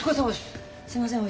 すいません